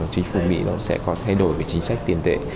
chính phủ mỹ sẽ có thay đổi về chính sách tiền tệ